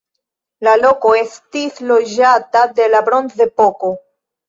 La loko estis loĝata de la bronzepoko.